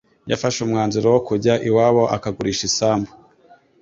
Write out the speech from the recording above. yafashe umwanzuro wo kujya iwabo akagurisha isambu